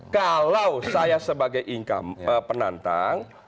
kalau saya sebagai penantang